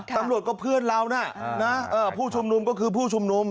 ตำรวจก็เพื่อนเรานะผู้ชุมนุมก็คือผู้ชุมนุม